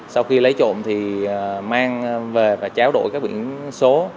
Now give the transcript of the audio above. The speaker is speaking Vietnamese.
sau khi lấy trộm thì mang về và cháo đổi các biển số